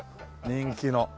人気の。